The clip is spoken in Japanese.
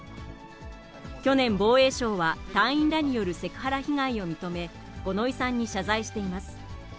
去年、防衛省は隊員らによるセクハラ被害を認め、五ノ井さんに謝罪しています。